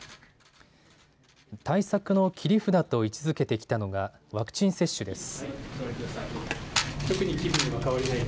対策の切り札と位置づけてきたのがワクチン接種です。